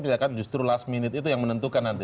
misalkan justru last minute itu yang menentukan nanti